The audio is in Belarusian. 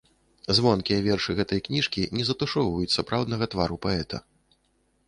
Звонкія вершы гэтай кніжкі не затушоўваюць сапраўднага твару паэта.